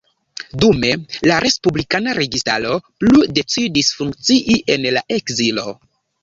Dume, la respublikana registaro plu decidis funkcii en la ekzilo.